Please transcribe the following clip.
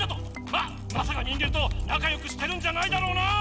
ままさか人間となかよくしてるんじゃないだろうなあ！